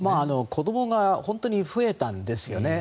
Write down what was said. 子どもが本当に増えたんですよね。